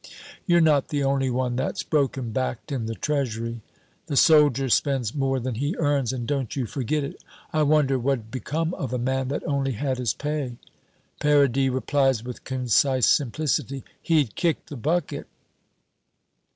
"You're not the only one that's broken backed in the treasury." "The soldier spends more than he earns, and don't you forget it. I wonder what'd become of a man that only had his pay?" Paradis replies with concise simplicity, "He'd kick the bucket."